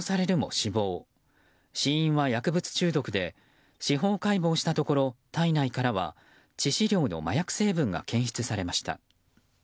死因は薬物中毒で司法解剖したところ体内からは、致死量の麻薬成分が検出されました。